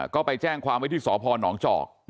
ก็ไปแจ้งความวิทยุทธิสอพรหนองจอก